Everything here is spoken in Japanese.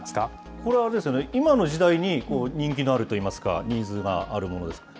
これはあれですよね、今の時代に人気のあるといいますか、ニーズがあるものですかね。